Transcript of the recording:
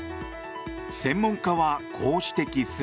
専門家はこう指摘する。